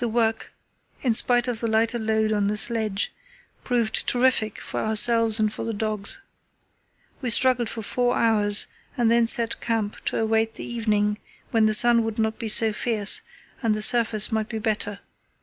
The work, in spite of the lighter load on the sledge, proved terrific for ourselves and for the dogs. We struggled for four hours, and then set camp to await the evening, when the sun would not be so fierce and the surface might be better.